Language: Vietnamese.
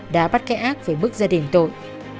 đã bắt cái ác về bức gia đình tội